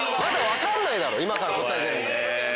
今から答え出るんだから。